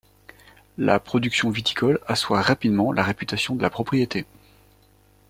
La production viticole assoit rapidement la réputation de la propriété.